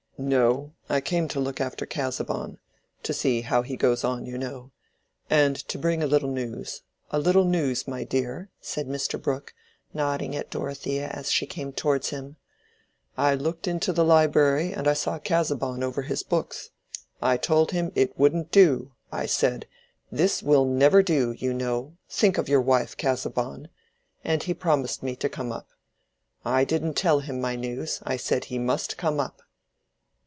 "No, I came to look after Casaubon—to see how he goes on, you know. And to bring a little news—a little news, my dear," said Mr. Brooke, nodding at Dorothea as she came towards him. "I looked into the library, and I saw Casaubon over his books. I told him it wouldn't do: I said, 'This will never do, you know: think of your wife, Casaubon.' And he promised me to come up. I didn't tell him my news: I said, he must come up."